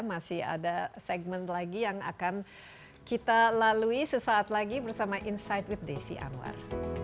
masih ada segmen lagi yang akan kita lalui sesaat lagi bersama insight with desi anwar